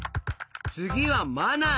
つぎはマナー